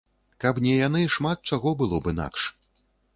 Каб не яны, шмат чаго б было інакш.